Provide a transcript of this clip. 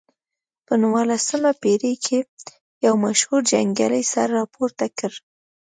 په نولسمه پېړۍ کې یو مشهور جنګیالي سر راپورته کړ.